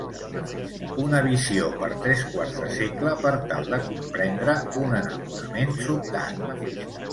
Una visió per tres quarts de segle per tal de comprendre un enamorament sobtat.